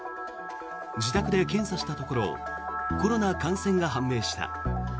自宅で検査したところコロナ感染が判明した。